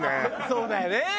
そうだよね！